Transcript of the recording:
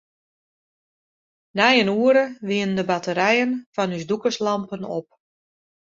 Nei in oere wiene de batterijen fan ús dûkerslampen op.